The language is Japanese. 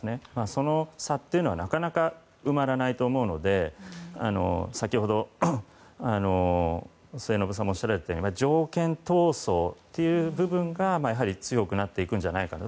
その差っていうのはなかなか埋まらないと思うので先ほど、末延さんもおっしゃられたように条件闘争という部分が強くなっていくんじゃないかと。